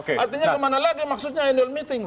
artinya kemana lagi maksudnya annual meeting